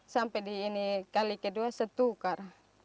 sampai di kali kedua saya tukar